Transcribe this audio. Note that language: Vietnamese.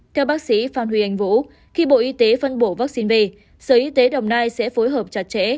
theo bác sĩ phan huy anh vũ khi bộ y tế phân bổ vaccine về sở y tế đồng nai sẽ phối hợp chặt chẽ